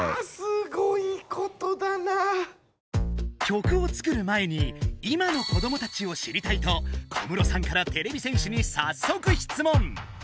曲を作る前に今の子どもたちを知りたいと小室さんからてれび戦士にさっそくしつもん！